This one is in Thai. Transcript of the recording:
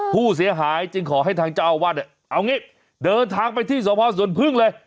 ผู้เสียหายจึงขอให้ทางเจ้าอาวัดเอาอย่างนี้เดินทางไปที่สอบภอร์ส่วนพึ่งเลย